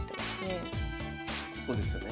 ここですよね？